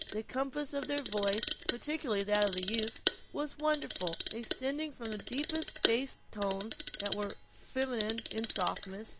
The compass of their voices, particularly that of the youth, was wonderful—extending from the deepest bass to tones that were even feminine in softness.